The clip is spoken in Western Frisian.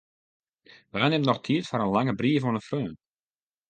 Wa nimt noch tiid foar in lange brief oan in freon?